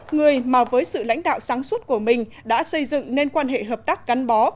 người mà với sự lãnh đạo sáng suốt của mình đã xây dựng nên quan hệ hợp tác gắn bó